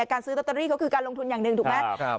การซื้อลอตเตอรี่เขาคือการลงทุนอย่างหนึ่งถูกไหม